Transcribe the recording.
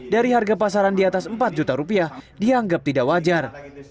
dari harga pasaran di atas empat juta rupiah dianggap tidak wajar